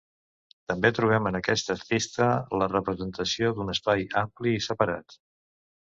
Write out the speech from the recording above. També trobem en aquest artista la representació d'un espai ampli i separat.